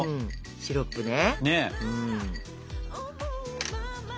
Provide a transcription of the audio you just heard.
シロップね。